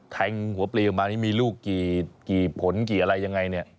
แทงหัวปลีออกมานี่มีลูกกี่ผลกี่อะไรยังไงเนี่ย